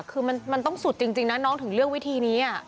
คือมันต้องสุดจริงนะน้องถึงเลือกวิธีนี้